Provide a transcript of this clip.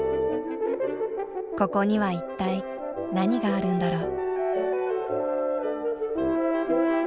ここには一体何があるんだろう？